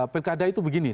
pekada itu begini